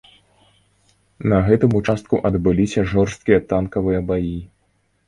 На гэтым участку адбыліся жорсткія танкавыя баі.